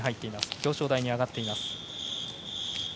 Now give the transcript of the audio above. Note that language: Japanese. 表彰台に上がっています。